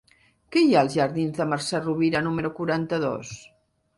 Què hi ha als jardins de Mercè Rovira número quaranta-dos?